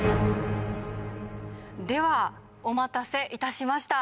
ではお待たせいたしました。